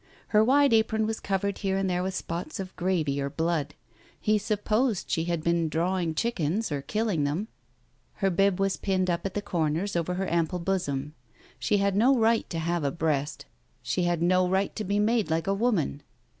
Her wide apron was covered here and there with spots of gravy or blood ; he supposed she had been "drawing" chickens or killing them. Her bib was pinned up at the corners over her ample bosom. She had no right to have a breast; she x Digitized by Google 306 TALES OF THE UNEASY had no right to be made like a woman.